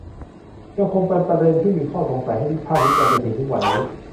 ยังคงเป็นประเด็นที่มีข้อสงสัยให้วิพากษ์วิจารณ์จนถึงทุกวันนี้